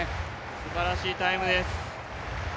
すばらしいタイムです。